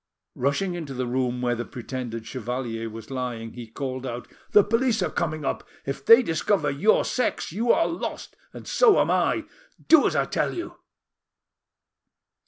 Rushing into the room where the pretended chevalier was lying, he called out— "The police are coming up! If they discover your sex you are lost, and so am I. Do as I tell you."